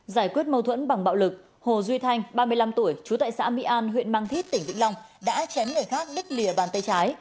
giải quyết mâu thuẫn bằng bạo lực hồ duy thanh ba mươi năm tuổi chú tại xã mỹ an huyện mang thít tỉnh vĩnh long đã chém người khác đích lìa bàn tay trái